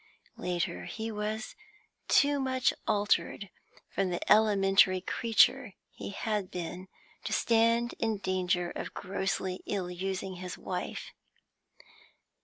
Later, he was too much altered from the elementary creature he had been to stand in danger of grossly ill using his wife.